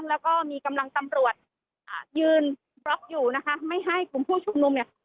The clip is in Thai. แล้วก็มีกำลังตำรวจอ่ายืนบล็อกอยู่นะคะไม่ให้กลุ่มผู้ชุมนุมเนี่ย